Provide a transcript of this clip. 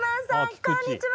こんにちは。